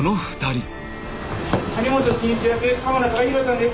谷本進一役濱田崇裕さんです。